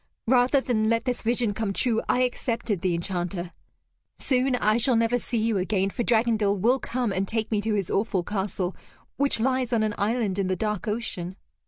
Rather than let this vision come true, I accepted the Enchanter. Soon I shall never see you again, for Dragondel will come and take me to his awful castle which lies on an island in the dark ocean.